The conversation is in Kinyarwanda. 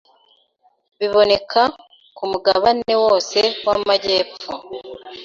biboneka kumugabane wose wamajyepfo